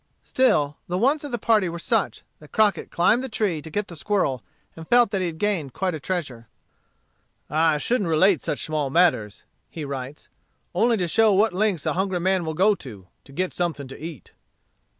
Still the wants of the party were such that Crockett climbed the tree to get the squirrel, and felt that he had gained quite a treasure. "I shouldn't relate such small matters," he writes, "only to show what lengths a hungry man will go to, to get something to eat."